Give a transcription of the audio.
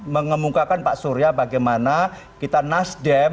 mengemukakan pak surya bagaimana kita nasdem